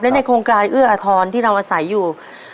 ในโครงการเอื้ออทรที่เราอาศัยอยู่